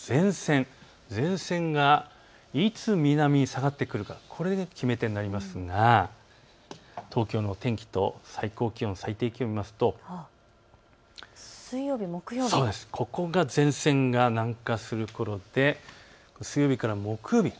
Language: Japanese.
前線がいつ南に下がってくるか、これが決め手になりますが、東京の天気と最高気温、最低気温を見ますと水曜日、木曜日が前線が南下するころで水曜日から木曜日。